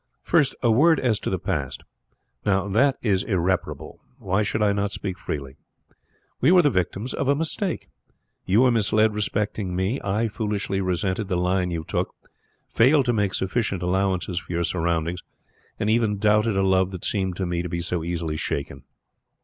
First, a word as to the past. Now that it is irreparable, why should I not speak freely? We were the victims of a mistake! You were misled respecting me. I foolishly resented the line you took, failed to make sufficient allowances for your surroundings, and even doubted a love that seemed to me to be so easily shaken.